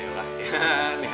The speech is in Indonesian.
ya ya lah